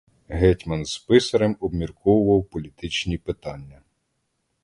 Гетьман з писарем обмірковував політичні питання.